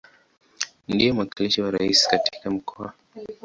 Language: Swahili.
Ndiye mwakilishi wa Rais katika Mkoa.